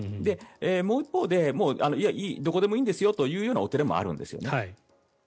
もう一方でどこでもいいんですよというお寺もあるんですね。